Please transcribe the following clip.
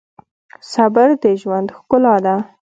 صبر د ژوند ښکلا ده.